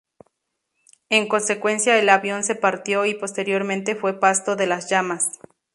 En consecuencia el avión se partió y posteriormente fue pasto de las llamas.